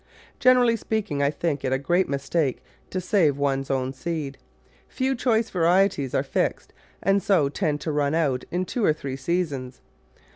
Generally speaking I think it a great mistake to save one's own seed. Few choice varieties are fixed and so tend to run out in two or three seasons.